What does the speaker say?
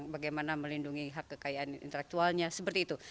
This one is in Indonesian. bagaimana melindungi hak kekayaan intelektualnya seperti itu